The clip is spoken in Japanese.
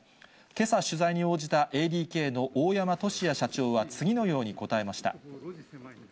けさ取材に応じた、ＡＤＫの大山俊哉社長は、次のように答えました。